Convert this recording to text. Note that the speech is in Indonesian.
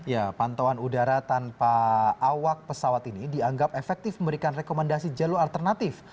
ya pantauan udara tanpa awak pesawat ini dianggap efektif memberikan rekomendasi jalur alternatif